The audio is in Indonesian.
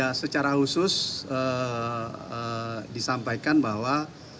ya secara khusus disampaikan bahwa